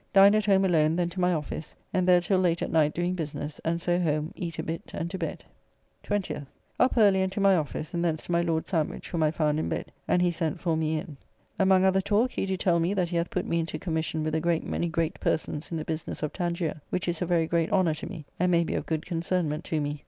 Dined at home alone, then to my office, and there till late at night doing business, and so home, eat a bit, and to bed. 20th. Up early, and to my office, and thence to my Lord Sandwich, whom I found in bed, and he sent for me in. Among other talk, he do tell me that he hath put me into commission with a great many great persons in the business of Tangier, which is a very great honour to me, and may be of good concernment to me.